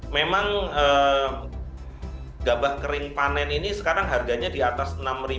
memang gabah kering panen ini sekarang harganya di atas enam tujuh ratus